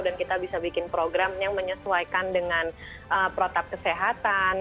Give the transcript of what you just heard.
dan kita bisa bikin program yang menyesuaikan dengan protak kesehatan